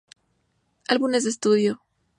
Álbumes de estudio